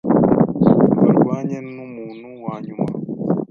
Barwanye numuntu wanyuma.